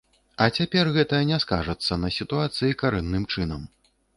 А цяпер гэта не скажацца на сітуацыі карэнным чынам.